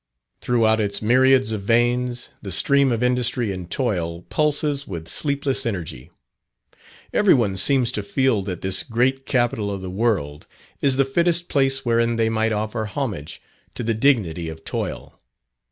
Throughout its myriads of veins, the stream of industry and toil pulses with sleepless energy. Every one seems to feel that this great Capital of the world, is the fittest place wherein they might offer homage to the dignity of toil.